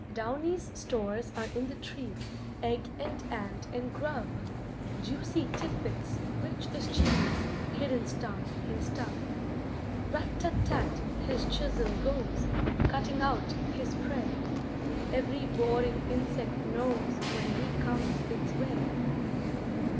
Downy's stores are in the trees, Egg and ant and grub; Juicy tidbits, rich as cheese, Hid in stump and stub. Rat tat tat his chisel goes, Cutting out his prey; Every boring insect knows When he comes its way.